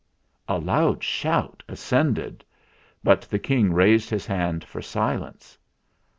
A loud shout ascended; but the King raised his hand for silence.